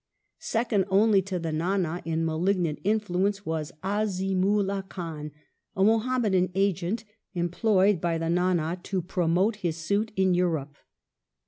Second only to the Ndnd in malignant influence was Azimula Khan, a Muhammadan agent employed by the Ndnd to promote his suit in Em ope.